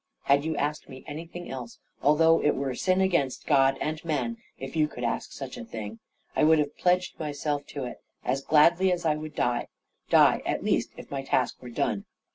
"Had you asked me anything else, although it were sin against God and man (if you could ask such a thing) I would have pledged myself to it, as gladly as I would die die, at least, if my task were done.